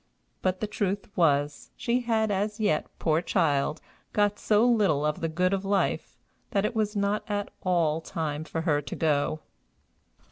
But the truth was, she had as yet, poor child, got so little of the good of life, that it was not at all time for her to go.